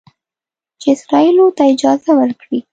چې اسرائیلو ته اجازه ورکړي